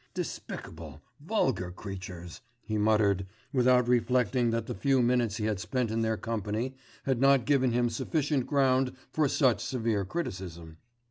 'Despicable, vulgar creatures,' he muttered, without reflecting that the few minutes he had spent in their company had not given him sufficient ground for such severe criticism.